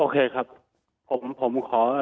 ครับผม